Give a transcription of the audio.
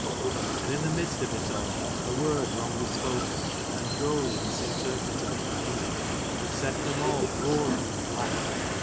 And in the midst of it all, a word wrongly spoken, and drolly misinter preting her meaning, would set them all roaring with laughter.